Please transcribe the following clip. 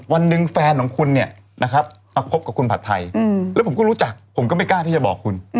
วันหนึ่งแฟนของคุณเนี่ยนะครับมาคบกับคุณผัดไทยแล้วผมก็รู้จักผมก็ไม่กล้าที่จะบอกคุณ